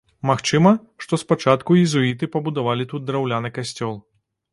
Магчыма, што спачатку езуіты пабудавалі тут драўляны касцёл.